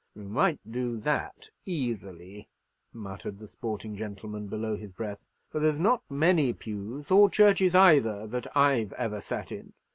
"You might do that easily," muttered the sporting gentleman, below his breath; "for there's not many pews, or churches either, that I've ever sat in."